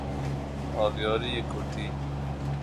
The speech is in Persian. آبیاری کرتی